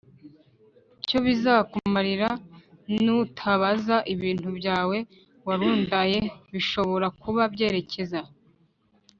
cyo bizakumarira y Nutabaza ibintu byawe warundaYe Bishobora kuba byerekeza